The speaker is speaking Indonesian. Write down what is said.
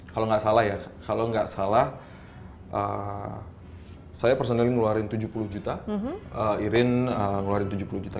kalau nggak salah ya kalau nggak salah saya personal ngeluarin tujuh puluh juta irin ngeluarin tujuh puluh juta